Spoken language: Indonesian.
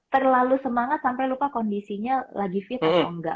terlalu semangat sampai lupa kondisinya lagi fit atau enggak